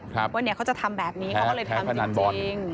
ว่าเนี่ยเขาจะทำแบบนี้เขาก็เลยทำจริง